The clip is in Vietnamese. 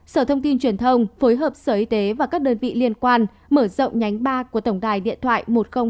sở thông tin truyền thông phối hợp sở y tế và các đơn vị liên quan mở rộng nhánh ba của tổng đài điện thoại một trăm linh hai